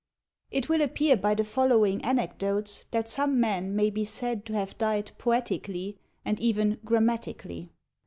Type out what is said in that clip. It will appear by the following anecdotes, that some men may be said to have died poetically and even grammatically.